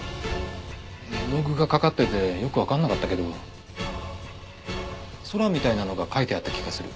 絵の具がかかっててよくわかんなかったけど空みたいなのが描いてあった気がする。